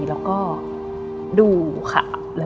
แล้วก็ดูค่ะ